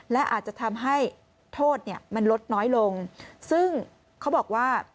และอาจจะทำให้โทษเนี่ยมันลดน้อยลงซึ่งเขาบอกว่า